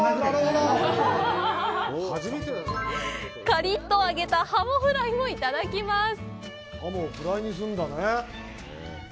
カリッと揚げたハモフライもいただきます。